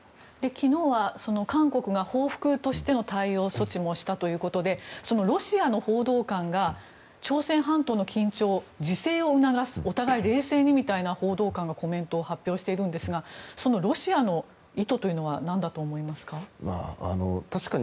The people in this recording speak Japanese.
昨日は韓国が報復としての対応もした中でそのロシアの報道官が朝鮮半島の緊張をお互い冷静にみたいなコメントを発表してるんですがロシアの意図は何だと思いますか？